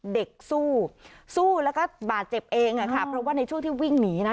เด็กสู้สู้แล้วก็บาดเจ็บเองอ่ะค่ะเพราะว่าในช่วงที่วิ่งหนีนะ